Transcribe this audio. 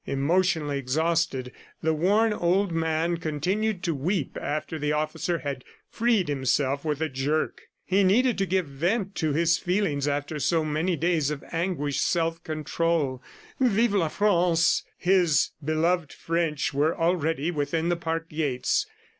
Emotionally exhausted, the worn old man continued to weep after the officer had freed himself with a jerk. ... He needed to give vent to his feelings after so many days of anguished self control. Vive la France! ... His beloved French were already within the park gates.